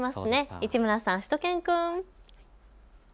市村さん、しゅと犬くん。